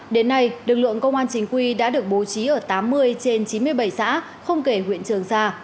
đến nay lực lượng công an chính quy đã được bố trí ở tám mươi trên chín mươi bảy xã không kể huyện trường sa